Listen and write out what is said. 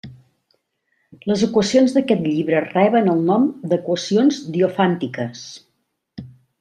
Les equacions d'aquest llibre reben el nom d'equacions diofàntiques.